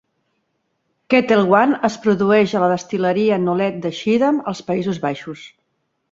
Ketel One es produeix a la destil·leria Nolet de Schiedam, als Països Baixos.